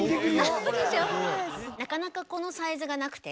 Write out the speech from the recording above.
なかなかこのサイズがなくて。